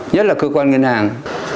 nhất là cơ quan ngân hàng